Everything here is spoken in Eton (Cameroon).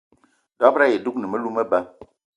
Dob-ro ayi dougni melou meba.